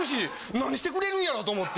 何してくれるんやろと思って。